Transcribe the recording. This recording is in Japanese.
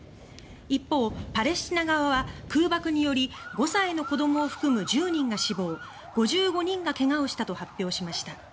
一方、パレスチナ側は空爆により５歳の子どもを含む１０人が死亡５５人が怪我をしたと発表しました。